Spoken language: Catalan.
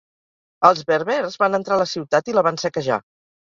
Els berbers van entrar a la ciutat i la van saquejar.